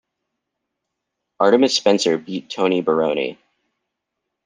Artemis Spencer beat Tony Baroni.